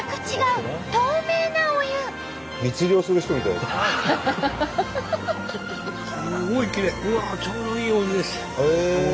うわっちょうどいいお湯です。